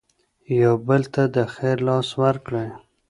یو بل ته د خیر لاس ورکړئ.